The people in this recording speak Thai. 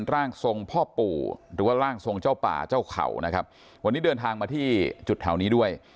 ร่างทรงพ่อปู่หรือว่าร่างทรงเจ้าป่าเจ้าเขานะครับวันนี้เดินทางมาที่จุดแถวนี้ด้วย